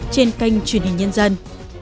trên kênh truyền hình nhân dân